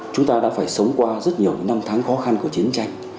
chúng ta đã phải sống qua rất nhiều những năm tháng khó khăn của chiến tranh